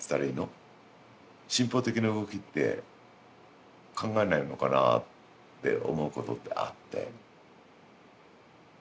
進歩的な動きって考えないのかなって思うことってあって。